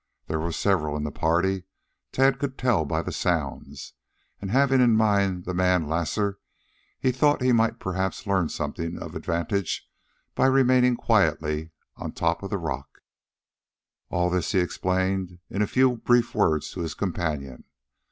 There were several in the party, Tad could tell by the sounds, and having in mind the man Lasar, he thought he might perhaps learn something of advantage by remaining quietly on the top of the rock. All this he explained in a few brief words to his companion.